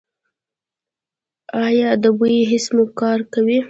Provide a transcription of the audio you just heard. ایا د بوی حس مو کار کوي؟